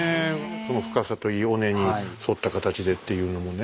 深さといい尾根に沿った形でっていうのもね。